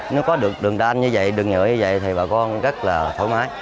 nếu có được đường đanh như vậy đường nhựa như vậy thì bà con rất là thoải mái